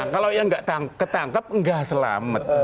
kalau yang gak ketangkep gak selamat